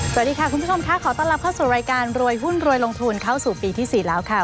สวัสดีค่ะคุณผู้ชมค่ะขอต้อนรับเข้าสู่รายการรวยหุ้นรวยลงทุนเข้าสู่ปีที่๔แล้วค่ะ